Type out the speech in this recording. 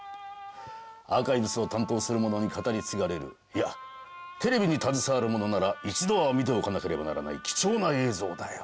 アーカイブスを担当する者に語り継がれるいやテレビに携わる者なら一度は見ておかなければならない貴重な映像だよ。